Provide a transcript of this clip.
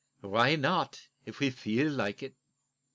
"Why not, if we feel like it?"